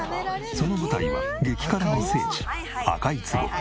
その舞台は激辛の聖地赤い壺。